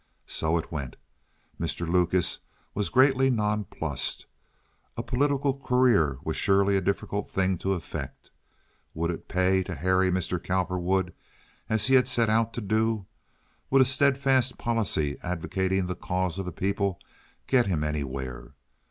So it went. Mr. Lucas was greatly nonplussed. A political career was surely a difficult thing to effect. Would it pay to harry Mr. Cowperwood as he had set out to do? Would a steadfast policy advocating the cause of the people get him anywhere?